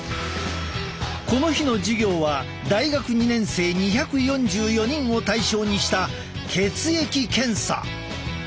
この日の授業は大学２年生２４４人を対象にした血液検査。